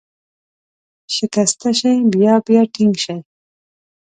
شکسته شي، بیا بیا ټینګ شي.